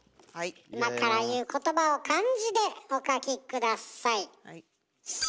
今から言う言葉を漢字でお書き下さい。